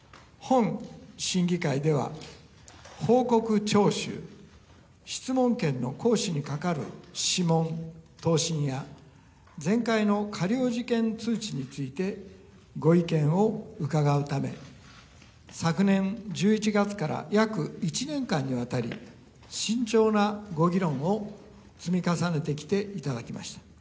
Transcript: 審議会では質問権の行使に関わる諮問答申や前回の過料事件通知についてご意見を伺うため昨年１１月から約１年間にわたり慎重なご議論を、積み重ねてきていただきました。